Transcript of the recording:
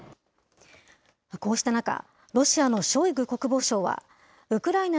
こうした中、ロシアのショイグ国防相は、ウクライナ